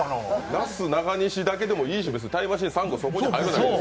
なすなかにしだけでもいいしタイムマシーン３号、そこに入らなくても。